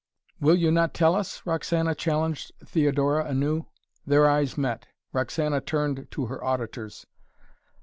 "Will you not tell us?" Roxana challenged Theodora anew. Their eyes met. Roxana turned to her auditors.